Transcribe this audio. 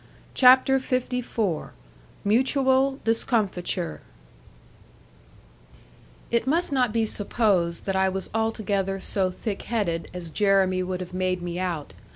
CHAPTER LIV MUTUAL DISCOMFITURE It must not be supposed that I was altogether so thick headed as Jeremy would have made me out.